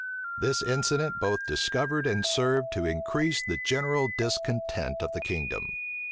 This incident both discovered and served to increase the general discontent of the kingdom.